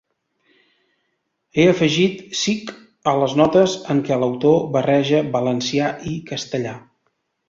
He afegit 'sic' a les notes en què l’autor barreja valencià i castellà.